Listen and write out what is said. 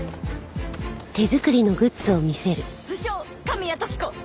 不肖神谷時子